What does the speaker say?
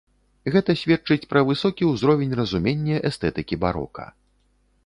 Гэта сведчыць пра высокі ўзровень разумення эстэтыкі барока.